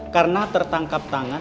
karena tertangkap tangan